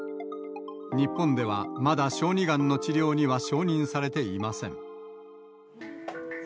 日本ではまだ小児がんの治療には承認されていません。